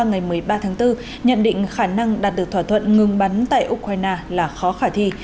ngày một mươi ba tháng bốn nhận định khả năng đạt được thỏa thuận ngừng bắn tại ukraine là khó khả thi